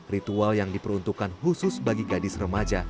ritual yang diperuntukkan khusus bagi gadis remaja